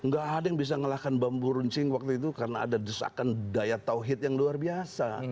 gak ada yang bisa ngelahkan bambu runcing waktu itu karena ada desakan daya tawhid yang luar biasa